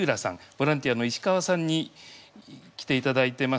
ボランティアの石川さんに来ていただいてます。